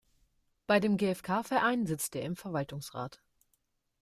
Bei dem GfK-Verein sitzt er im Verwaltungsrat.